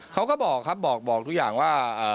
เขาก็บอกครับบอกทุกอย่างว่า